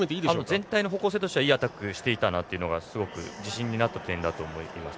全体の方向性としてはいいアタックをしていたというのがすごく自信になった点だと思います。